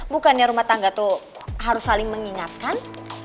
bukannya rumah tangga itu harus saling mengingatkan